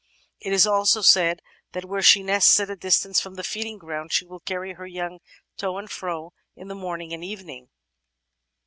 It is also said that where she nests at a distance from the feeding ground, she will carry her young to and fro in the morning and evening.